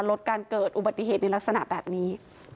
ลดการเกิดอุบัติเหตุในลักษณะแบบนี้